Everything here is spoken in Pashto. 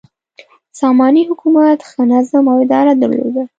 ساماني حکومت ښه نظم او اداره درلوده.